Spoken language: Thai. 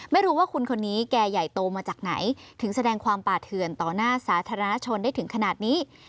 ไม่รู้ว่าคุณคนนี้แกใหญ่โตมาจากไหนถึงแสดงความป่าเถื่อนต่อหน้าสาธารณชนได้ถึงขนาดนี้